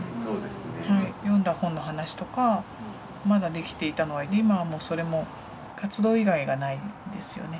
読んだ本の話とかまだできていたのが今はそれも活動以外がないですよね。